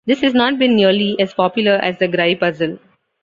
This has not been nearly as popular as the gry puzzle.